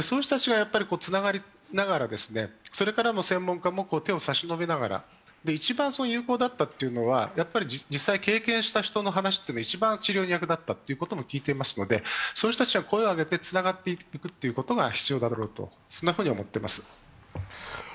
そういう人たちがつながりながら、専門家も手を差し伸べながら、一番有効だったのは実際、経験した人の話というのが一番治療に役立ったとも聞いていますのでそういう人たちが声を上げてつながっていくことが必要だろうと思っています。